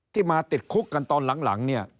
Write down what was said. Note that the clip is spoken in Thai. มาติดคุกกันตอนหลังเนี่ย